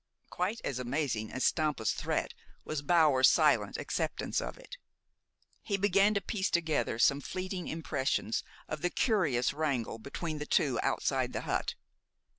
Quite as amazing as Stampa's threat was Bower's silent acceptance of it. He began to piece together some fleeting impressions of the curious wrangle between the two outside the hut.